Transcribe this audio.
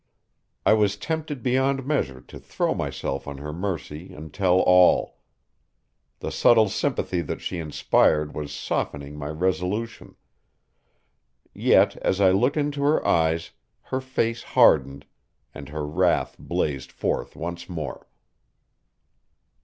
I was tempted beyond measure to throw myself on her mercy and tell all. The subtle sympathy that she inspired was softening my resolution. Yet, as I looked into her eyes, her face hardened, and her wrath blazed forth once more.